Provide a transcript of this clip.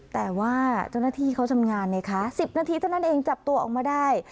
แต่ว่าเจ้าหน้าที่เขาทำงานไงคะ๑๐นาทีเท่านั้นเองจับตัวออกมาได้